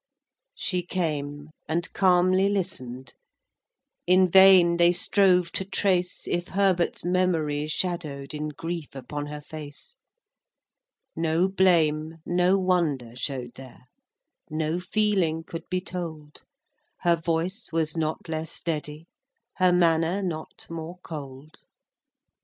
XV. She came, and calmly listen'd; In vain they strove to trace If Herbert's memory shadow'd In grief upon her face. No blame, no wonder show'd there, No feeling could be told; Her voice was not less steady, Her manner not more cold.